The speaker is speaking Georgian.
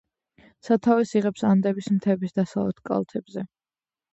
სათავეს იღებს ანდების მთების დასავლეთ კალთებზე.